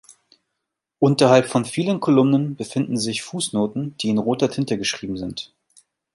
Unterhalb von vielen Kolumnen befinden sich Fußnoten, die in roter Tinte geschrieben sind.